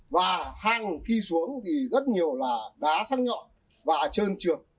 và hang khi xuống thì rất nhiều là đá xăng nhọn và trơn trượt